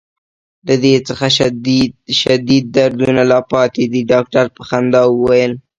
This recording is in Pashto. له دې څخه شدید دردونه لا پاتې دي. ډاکټر په خندا وویل.